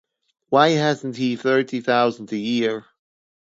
Why hasn't he thirty thousand a year?'